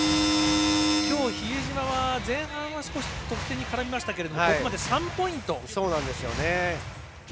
きょう、比江島は前半は少し得点に絡みましたがここまで３ポイント。